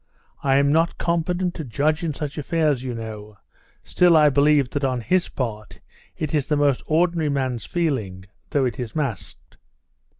I am not competent to judge in such affairs, you know, still I believe that on his part it is the most ordinary man's feeling, though it is masked.